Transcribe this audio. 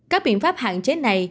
các biện pháp hạn chế này